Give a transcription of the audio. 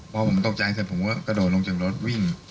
พอผมตกใจเสร็จผมก็กระโดดลงจากรถวิ่ง